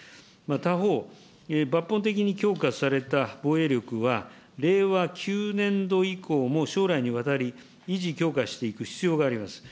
他方、抜本的に強化された防衛力は、令和９年度以降も将来にわたり、維持強化していく必要があります。